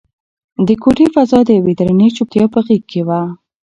د کوټې فضا د یوې درنې چوپتیا په غېږ کې وه.